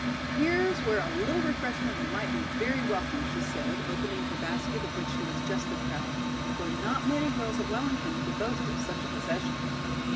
"Here's where a little refreshment might be very welcome," she said, opening her basket of which she was justly proud, for not many girls at Wellington could boast of such a possession.